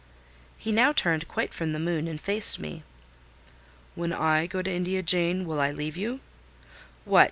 He now turned quite from the moon and faced me. "When I go to India, Jane, will I leave you! What!